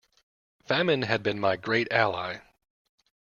Famine had been my great ally.